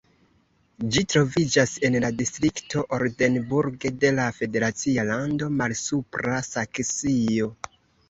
Ĝi troviĝas en la distrikto Oldenburg de la federacia lando Malsupra Saksio.